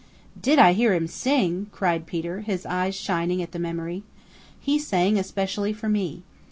"Did I hear him sing!" cried Peter, his eyes shining at the memory. "He sang especially for me.